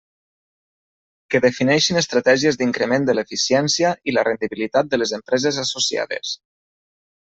Que defineixin estratègies d'increment de l'eficiència i la rendibilitat de les empreses associades.